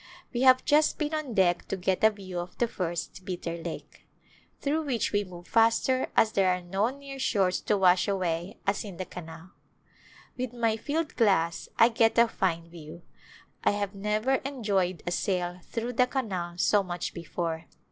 We have just been on deck to get a view of the First Last Days Bitter Lake, through which we move faster as there are no near shores to wash away as in the canal. With my field glass I get a fine view. I have never enjoyed a sail through the canal so much before.